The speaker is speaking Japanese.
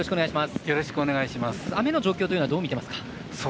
雨の状況というのはどう見ていますか？